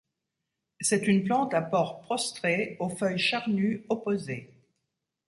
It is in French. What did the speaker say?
C'est une plante à port prostré, aux feuilles charnues opposées.